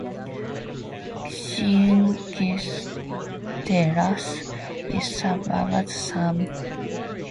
Cienegas Terrace is served by the San Felipe Del Rio Consolidated Independent School District.